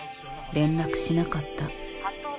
連絡しなかった。